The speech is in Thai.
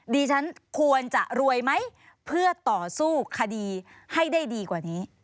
ดิฉันควรจะรวยไหมเพื่อต่อสู้คดีให้ได้ดีกว่านี้